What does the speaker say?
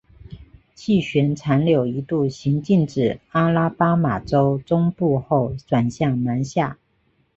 气旋残留一度行进至阿拉巴马州中部后转向南下。